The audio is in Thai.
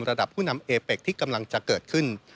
ระดับผู้นำเอเป็กที่กำลังจะเกิดขึ้น